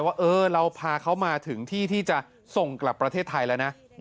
ว่าเราพาเขามาถึงที่ที่จะส่งกลับประเทศไทยแล้วนะ